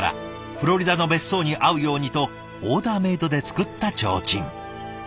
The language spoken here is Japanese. フロリダの別荘に合うようにとオーダーメードで作った提灯。